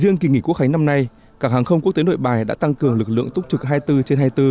riêng kỳ nghỉ quốc khánh năm nay cảng hàng không quốc tế nội bài đã tăng cường lực lượng túc trực hai mươi bốn trên hai mươi bốn